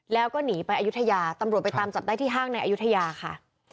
แล้วก็หนีไปอายุทยาตำรวจไปตามจับได้ที่ห้างในอายุทยาค่ะ